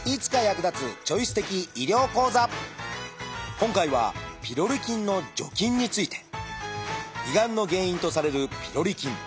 今回はピロリ菌の除菌について。胃がんの原因とされるピロリ菌。